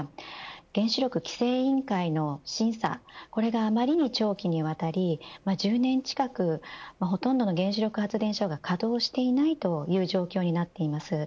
原子力規制委員会の審査があまりに長期にわたり１０年近くほとんどの原子力発電所が稼働していないという状況になっています。